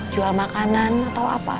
jual makanan atau apa